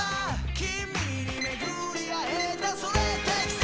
君に巡り合えたそれって『奇跡』